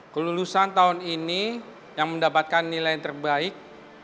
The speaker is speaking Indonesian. kelulusan tahun ini yang mendapatkan nilai yang terbaik